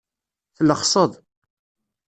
Tlexseḍ.